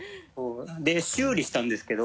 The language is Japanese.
で修理したんですけど。